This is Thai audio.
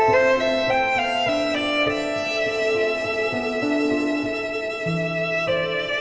ออกมาเอา